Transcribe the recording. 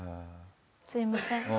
すいません。